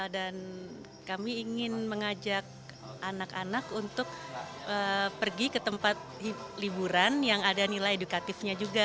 dan kami ingin mengajak anak anak untuk pergi ke tempat liburan yang ada nilai edukatifnya juga